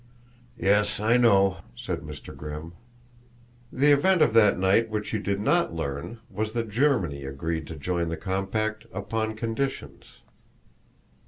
"Yes, I know," said Mr. Grimm. "The event of that night which you did not learn was that Germany agreed to join the compact upon conditions.